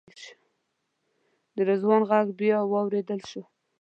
د رضوان غږ بیا واورېدل شو.